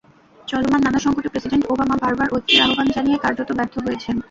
চলমান নানা সংকটে প্রেসিডেন্ট ওবামা বারবার ঐক্যের আহ্বান জানিয়ে কার্যত ব্যর্থ হয়েছেন।